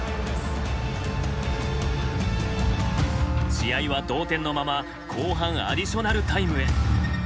試合は同点のまま後半アディショナルタイムへ。